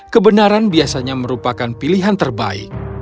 kebenaran biasanya merupakan pilihan terbaik